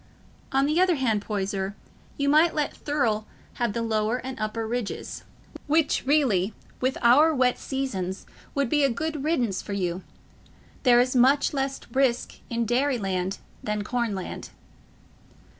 On the other hand, Poyser, you might let Thurle have the Lower and Upper Ridges, which really, with our wet seasons, would be a good riddance for you. There is much less risk in dairy land than corn land."